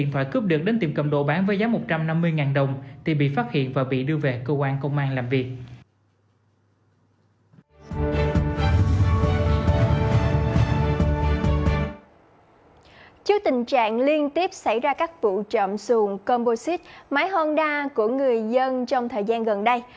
trước tình trạng liên tiếp xảy ra các vụ trộm xùn combo xít máy honda của người dân trong thời gian gần đây